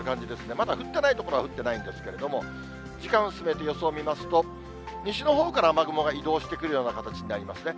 まだ降ってない所は降ってないんですけれども、時間進めて予想を見ますと、西のほうから雨雲が移動してくるような形になりますね。